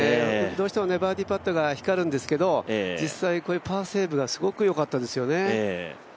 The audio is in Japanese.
どうしてもバーディーパットが光るんですけど実際、こういうパーセーブがすごく良かったですよね。